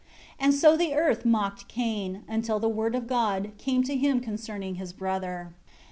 15 And so the earth mocked Cain, until the Word of God, came to him concerning his brother.